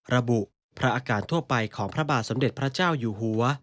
ระบุพระอากาศทั่วไปของพระบาทสมเด็จพระเจ้าอยู่หัว